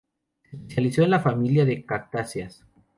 Se especializó en la familia de Cactáceas.